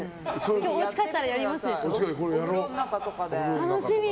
今日おうち帰ったらやりますでしょ。